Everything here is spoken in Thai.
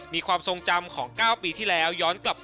มีความทรงจำของ๙ปีที่แล้วย้อนกลับ